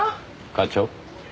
課長。